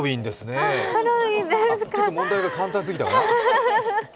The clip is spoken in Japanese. あ、ちょっと問題が簡単すぎたかな。